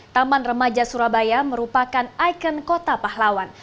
taman remaja surabaya merupakan ikon kota pahlawan